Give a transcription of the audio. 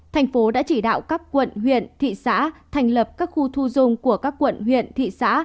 thành phố đã chỉ đạo các quận huyện thị xã thành lập các khu thu dung của các quận huyện thị xã